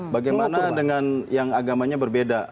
bagaimana dengan yang agamanya berbeda